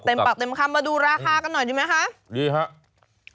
ปากเต็มคำมาดูราคากันหน่อยดีไหมคะดีครับ